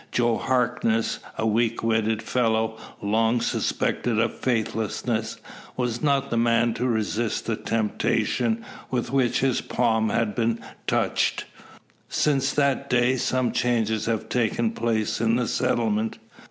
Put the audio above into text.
Joe Harkness, a weak witted fellow, long suspected of faithlessness, was not the man to resist the temptation with which his palm had been touched. Since that day some changes have taken place in the settlement.